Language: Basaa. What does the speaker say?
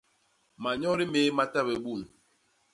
Manyodi méé ma ta bé bun.